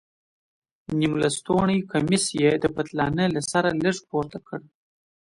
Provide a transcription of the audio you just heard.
نيم لستوڼى کميس يې د پتلانه له سره لږ پورته کړ.